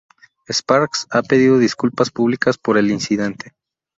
Sparks ha pedido disculpas públicas por el incidente.